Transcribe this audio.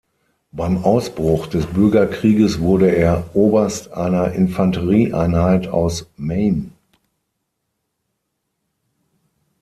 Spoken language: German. Beim Ausbruch des Bürgerkrieges wurde er Oberst einer Infanterieeinheit aus Maine.